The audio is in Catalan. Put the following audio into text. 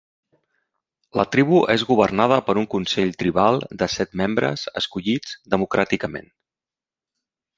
La tribu és governada per un consell tribal de set membres escollits democràticament.